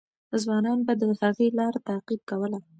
ځوانان به د هغې لار تعقیب کوله.